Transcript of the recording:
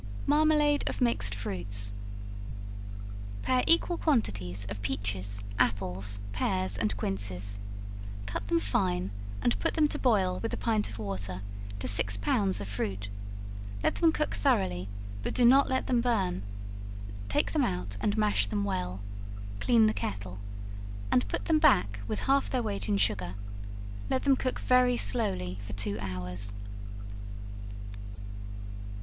Marmalade of Mixed Fruits. Pare equal quantities of peaches, apples, pears and quinces, cut them fine, and put them to boil with a pint of water to six pounds of fruit, let them cook thoroughly, but do not let them burn, take them out, and mash them well, clean the kettle, and put them back, with half their weight in sugar, let them cook very slowly for two hours.